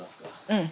うん。